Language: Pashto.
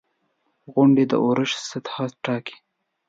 • غونډۍ د اورښت سطحه ټاکي.